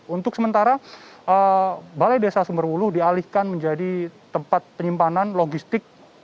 untuk sementara balai desa sumberwuluh dialihkan menjadi tempat penyimpanan logistik